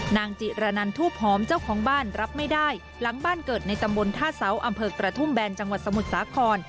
นางจิระนันทูบหอมเจ้าของบ้านรับไม่ได้หลังบ้านเกิดในตำบลท่าเสาอำเภอกระทุ่มแบนจังหวัดสมุทรสาคร